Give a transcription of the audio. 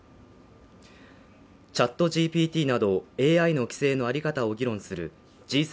ＣｈａｔＧＰＴなど、ＡＩの規制のあり方を議論するＧ７